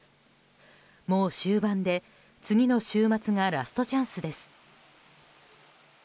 もう終盤で次の週末がラストチャンスです。